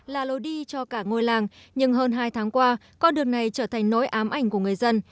là lối đi cho cả ngôi làng nhưng hơn hai tháng qua con đường này trở thành nối ám ảnh của người dân